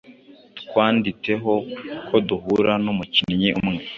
twanditeho koduhura numukinnyi umwe